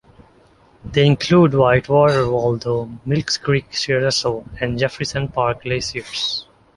They include Whitewater, Waldo, Milk Creek, Russell, and Jefferson Park glaciers.